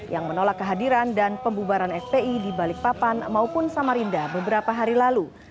yang menolak kehadiran dan pembubaran fpi di balikpapan maupun samarinda beberapa hari lalu